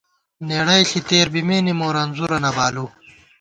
نېڑَئی ݪی تېر بِمېنےمو رنځُورہ نہ بالُؤ